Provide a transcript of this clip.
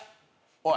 おい！